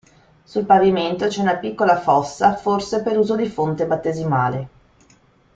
Sul pavimento c'è una piccola fossa forse per uso di fonte battesimale.